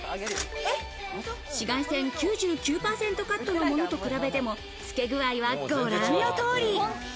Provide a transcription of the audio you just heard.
紫外線９９％カットのものと比べても、透け具合はご覧の通り。